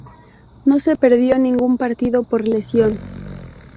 No se perdió ningún partido por lesión.